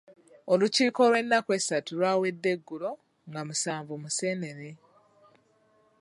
Olukiiko olw'ennaku essatu lwawedde eggulo nga musanvu Museenene.